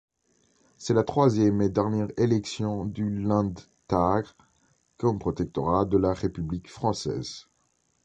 C‘est la troisième et dernière élections du Landtag comme protectorat de la République française.